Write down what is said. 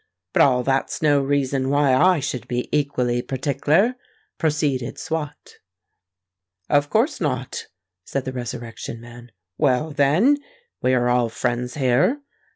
"But all that's no reason why I should be equally partickler," proceeded Swot. "Of course not," said the Resurrection Man. "Well, then—we are all friends here?"